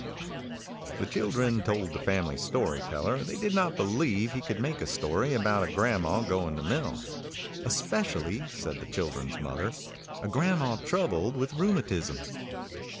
The children told the Family Story Teller they did not believe he could make a story about a grandma going to mill. "Especially," said the children's mother, "a grandma troubled with rheumatism."